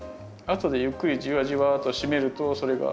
後でゆっくりじわじわとしめるとそれが。